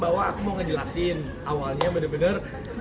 mas kayaknya kita harus ngejelasin bahwa aku pertama kali sama giko ini